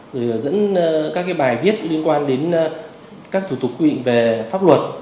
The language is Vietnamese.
rồi dẫn các bài viết liên quan đến các thủ tục quy định về pháp luật